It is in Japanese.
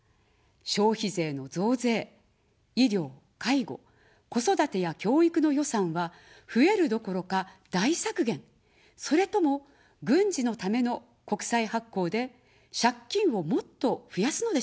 消費税の増税、医療、介護、子育てや教育の予算は増えるどころか、大削減、それとも、軍事のための国債発行で借金をもっと増やすのでしょうか。